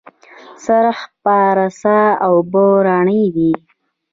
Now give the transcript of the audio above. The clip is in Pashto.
سرخ پارسا اوبه رڼې دي؟